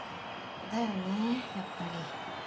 だよねやっぱり。